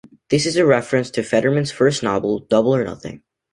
This is a reference to Federman's first novel "Double or Nothing".